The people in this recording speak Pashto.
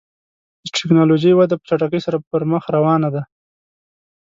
د ټکنالوژۍ وده په چټکۍ سره پر مخ روانه ده.